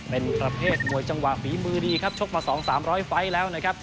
เป็นประเภทมวยจังหวะฝีมือดีครับชกมา๒๓๐๐ไฟล์แล้วนะครับ